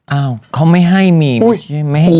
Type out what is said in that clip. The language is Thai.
เอ้าเค้าไม่ให้มีไม่ใช่ไม่ให้กิน